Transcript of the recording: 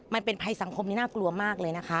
มันเป็นภัยสังคมนี้น่ากลัวมากเลยนะคะ